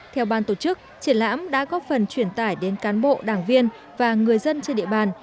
theo ban tổ chức triển lãm đã góp phần truyền tải đến cán bộ đảng viên và người dân trên địa bàn